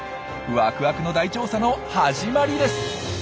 ワクワクの大調査の始まりです！